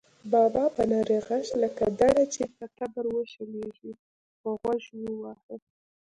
بابا په نري غږ لکه دړه چې په تبر وشلېږي، په غوږ وواهه.